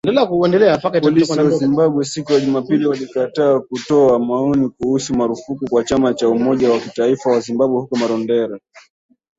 Polisi wa Zimbabwe, siku ya Jumapili walikataa kutoa maoni kuhusu marufuku kwa chama cha umoja wa kitaifa wa Zimbabwe huko Marondera.